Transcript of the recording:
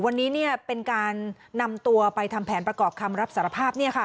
วันนี้เป็นการนำตัวไปทำแผนประกอบคำรับสารภาพ